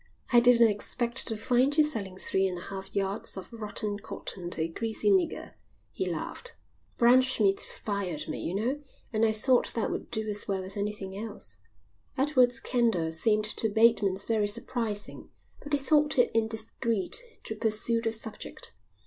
"I didn't expect to find you selling three and a half yards of rotten cotton to a greasy nigger," he laughed. "Braunschmidt fired me, you know, and I thought that would do as well as anything else." Edward's candour seemed to Bateman very surprising, but he thought it indiscreet to pursue the subject.